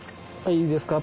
いいですか？